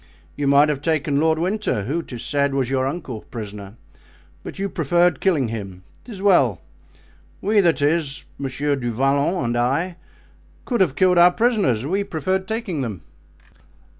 You might have taken Lord Winter—who, 'tis said, was your uncle—prisoner, but you preferred killing him; 'tis well; we, that is, Monsieur du Vallon and I, could have killed our prisoners—we preferred taking them."